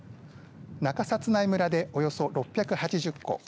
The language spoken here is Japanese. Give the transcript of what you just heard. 中札内村でおよそ６８０戸